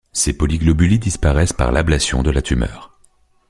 Ces polyglobulies disparaissent par l'ablation de la tumeur.